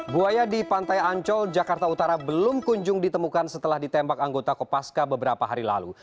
buaya di pantai ancol jakarta utara belum kunjung ditemukan setelah ditembak anggota kopaska beberapa hari lalu